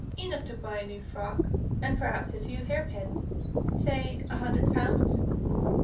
"Enough to buy a new frock and perhaps a few hairpins; say a hundred pounds."